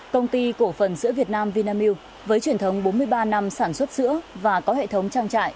công ty cổ phần sữa việt nam vinamilk với truyền thống bốn mươi ba năm sản xuất sữa và có hệ thống trang trại